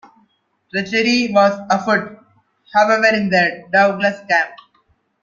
Treachery was afoot however, in the Douglas camp.